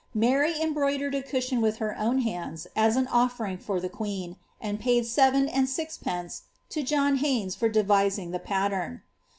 Mary embroidertd a cushion with her own hands, as an offering for tlie queen, and paid seven and sixpence to John Hayes for devising the pattern.'